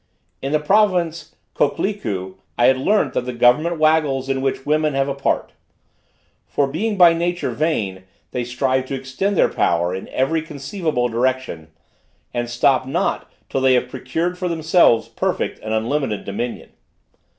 In the province Kokleku I had learnt that the government waggles in which women have a part. For being by nature vain, they strive to extend their power in every conceivable direction, and stop not till they have procured for themselves perfect and unlimited dominion.